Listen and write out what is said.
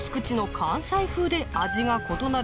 関西風で味が異なる